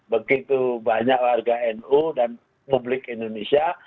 begitu banyak warga nu dan publik indonesia